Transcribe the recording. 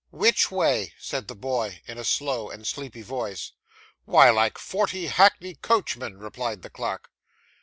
'Which way?' said the boy, in a slow and sleepy voice. 'Why, like forty hackney coachmen,' replied the clerk.